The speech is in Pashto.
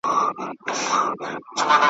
یوه نه زر خاطرې `